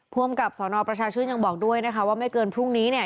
ภูมิกับสนประชาชื่นยังบอกด้วยนะคะว่าไม่เกินพรุ่งนี้เนี่ย